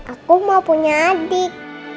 aku mau punya adik